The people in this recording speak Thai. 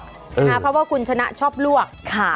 เพราะว่าคุณชนะชอบลวก